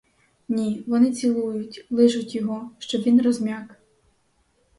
Ні, вони цілують, лижуть його, щоб він розм'як.